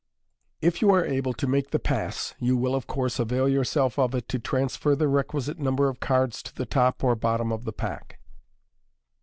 If you are able to make the pass, you will, of course, avail yourself of it to transfer the requisite number of cards to the top or bottom of the pack.